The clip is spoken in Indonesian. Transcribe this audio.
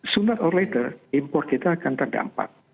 selepas itu impor kita akan terdampak